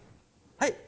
はい。